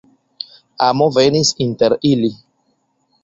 Amo venis inter ili.